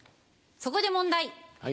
そこで問題。